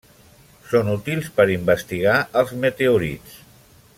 Són útils per investigar els meteorits.